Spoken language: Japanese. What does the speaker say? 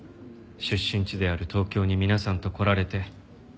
出身地である東京に皆さんと来られてよかったです。